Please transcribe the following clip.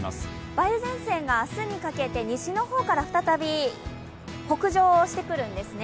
梅雨前線から明日にかけて西の方から再び北上してくるんですね。